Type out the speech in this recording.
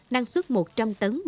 năng suất một trăm linh tấn